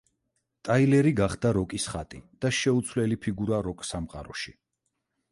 ტაილერი გახდა როკის ხატი და შეუცვლელი ფიგურა როკ სამყაროში.